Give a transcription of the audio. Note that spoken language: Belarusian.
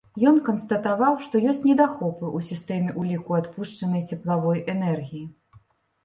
Ён канстатаваў, што ёсць недахопы ў сістэме ўліку адпушчанай цеплавой энергіі.